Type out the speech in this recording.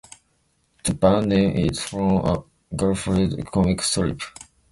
The band name is from a Garfield comic strip.